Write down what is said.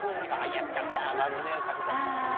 やっちゃった周りに迷惑かけちゃったとか。